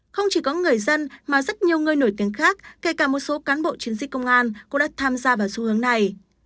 không chỉ có người dân mà rất nhiều người nổi tiếng khác kể cả một số cán bộ chiến sĩ công an cũng đã tham gia vào xu hướng này